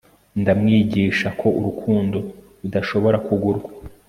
ndamwigisha ko urukundo rudashobora kugurwa